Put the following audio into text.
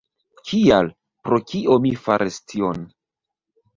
Kial, pro kio mi faris tion?